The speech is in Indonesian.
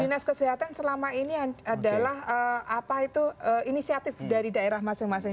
dinas kesehatan selama ini adalah apa itu inisiatif dari daerah masing masing